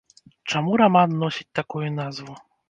Чаму раман носіць такую назву?